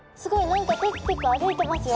何かテクテク歩いてますよ。